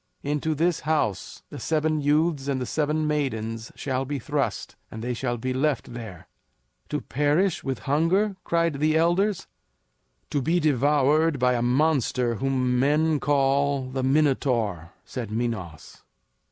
Into this house the seven youths and the seven maidens shall be thrust, and they shall be left there " "To perish with hunger?" cried the elders. "To be devoured by a monster whom men call the Minotaur," said Minos.